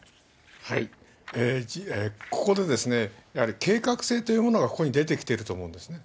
ここで、やはり計画性というものが、ここに出てきてると思うんですね。